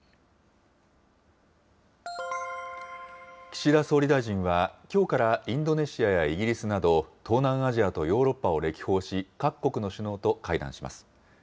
岸田総理大臣は、きょうからインドネシアやイギリスなど、東南アジアとヨーロッパを歴訪し、各国の首脳と会談します。